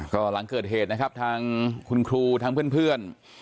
ก็หลังเกิดเหตุนะครับทางคุณครูทางเพื่อน